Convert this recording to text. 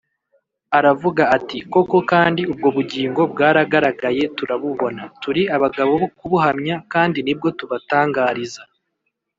aravuga ati: “koko kandi ubwo bugingo bwaragaragaye turabubona, turi abagabo bo kubuhamya kandi nibwo tubatangariza